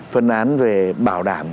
phân án về bảo đảm